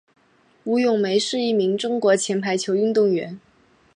吴咏梅是一名中国前排球运动员。